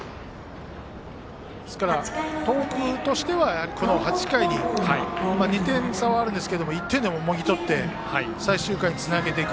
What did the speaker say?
ですから、東北としてはこの８回に２点差はあるんですが１点でも、もぎ取って最終回につなげていく。